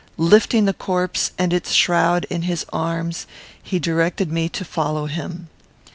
Lifting the corpse and its shroud in his arms, he directed me to follow him.